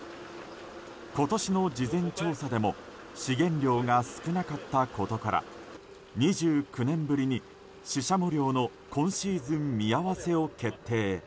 今年の事前調査でも資源量が少なかったことから２９年ぶりに、シシャモ漁の今シーズン見合わせを決定。